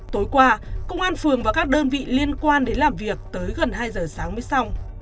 tối qua công an phường và các đơn vị liên quan đến làm việc tới gần hai giờ sáng mới xong